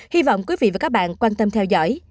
hy vọng quý vị và các bạn quan tâm theo dõi